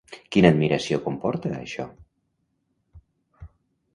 Quina admiració comporta, això?